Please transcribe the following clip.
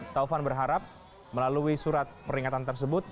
taufan berharap melalui surat peringatan tersebut